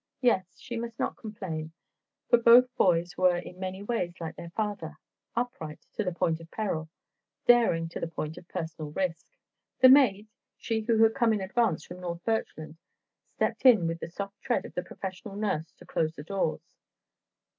Yes, she must not complain, for both boys were in many ways like their father, upright to the point of peril, daring to the point of personal risk. The maid, she who had come in advance from North Birchland, stepped in with the soft tread of the professional nurse to close the doors.